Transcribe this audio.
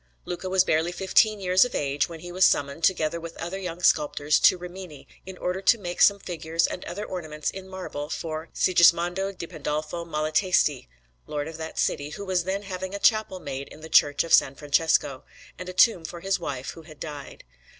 Luca was barely fifteen years of age when he was summoned, together with other young sculptors, to Rimini, in order to make some figures and other ornaments in marble for Sigismondo di Pandolfo Malatesti, Lord of that city, who was then having a chapel made in the Church of S. Francesco, and a tomb for his wife, who had died.